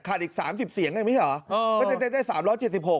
ขาดอีก๓๐เสียงได้ไหมเหรอก็จะได้๓๗๖